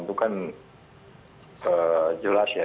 itu kan jelas ya